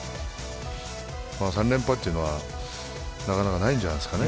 ３連覇というのはなかなかないんじゃないですかね。